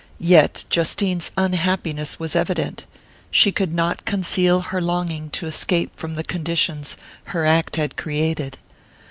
Yet Justine's unhappiness was evident: she could not conceal her longing to escape from the conditions her act had created.